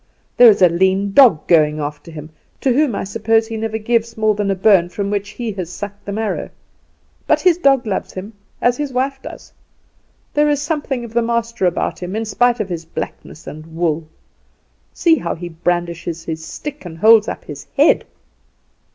There is a lean dog going after him, to whom I suppose he never gives more than a bone from which he has sucked the marrow; but his dog loves him, as his wife does. There is something of the master about him in spite of his blackness and wool. See how he brandishes his stick and holds up his head!"